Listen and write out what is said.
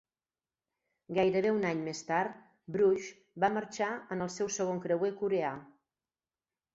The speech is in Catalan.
Gairebé un any més tard, "Brush" va marxar en el seu segon creuer coreà.